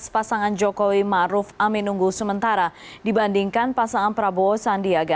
pasangan jokowi maruf aminunggu sementara dibandingkan pasangan prabowo sandiaga